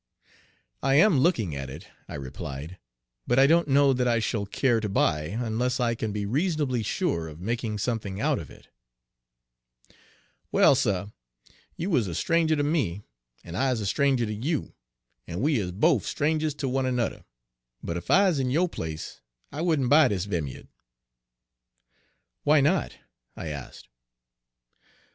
"I am looking at it," I replied; "but I don't know that I shall care to buy unless I can be reasonably sure of making something out of it." "Well, suh, you is a stranger ter me, en I is a stranger ter you, en we is bofe strangers ter one anudder, but 'f I 'uz in yo' place, I wouldn' buy dis vim ya'd." "Why not?" I asked.